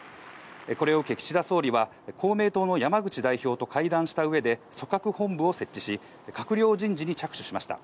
これを受け、岸田総理は公明党の山口代表と会談したうえで、組閣本部を設置し、閣僚人事に着手しました。